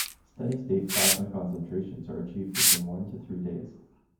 Steady state plasma concentrations are achieved within one to three days.